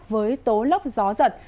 với tố lốc gió giật